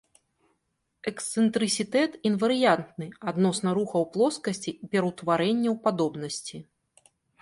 Эксцэнтрысітэт інварыянтны адносна рухаў плоскасці і пераўтварэнняў падобнасці.